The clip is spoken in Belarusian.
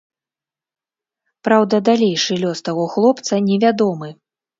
Праўда, далейшы лёс таго хлопца невядомы.